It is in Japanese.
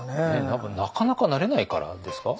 なかなかなれないからですか？